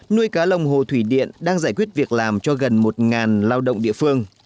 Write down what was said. nuôi cá lồng hồ thủy điện đang giải quyết việc làm cho gần một lao động địa phương